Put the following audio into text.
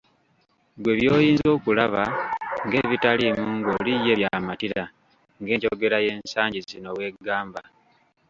Ggwe by'oyinza okulaba ng'ebitaliimu ng'oli ye by'amatira ng'enjogera y'ensangi zino bwe gamba.